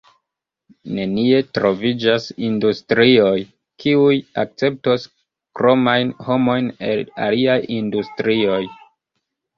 Nenie troviĝas industrioj, kiuj akceptos kromajn homojn el aliaj industrioj.